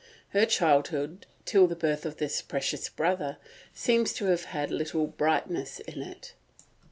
Her childhood, till the birth of this precious brother, seems to have had little brightness in it.